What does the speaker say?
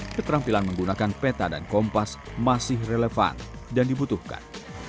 keterampilan menggunakan peta dan kompas masih relevan dan dibutuhkan